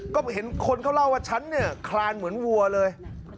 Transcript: ก็เห็นคนเขาเล่าว่าฉันเนี่ยคลานเหมือนวัวเลย